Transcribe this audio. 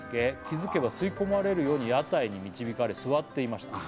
「気付けば吸い込まれるように屋台に導かれ座っていました」